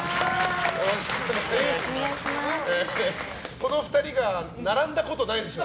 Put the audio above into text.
この２人が並んだことないでしょ？